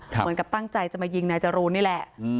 เหมือนกับตั้งใจจะมายิงนายจรูนนี่แหละ